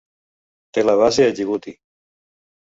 Té la base a Djibouti.